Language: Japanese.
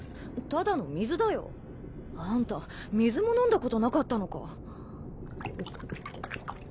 ただの水だよ。あんた水も飲んだことなかったのか？